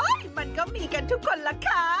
มันก็มีกันทุกคนล่ะค่ะ